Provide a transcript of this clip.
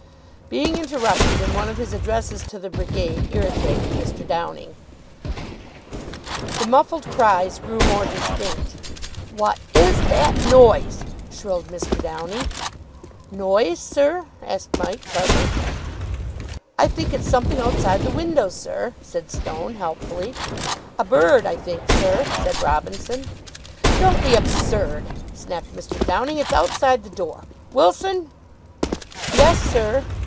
Being interrupted in one of his addresses to the Brigade irritated Mr. Downing. The muffled cries grew more distinct. "What is that noise?" shrilled Mr. Downing. "Noise, sir?" asked Mike, puzzled. "I think it's something outside the window, sir," said Stone helpfully. "A bird, I think, sir," said Robinson. "Don't be absurd!" snapped Mr. Downing. "It's outside the door. Wilson!" "Yes, sir?"